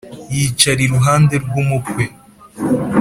yicara iruhande rw’umukwe